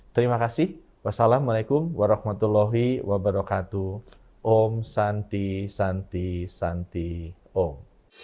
terima kasih wassalamualaikum warahmatullahi wabarakatuh om santi santi santi om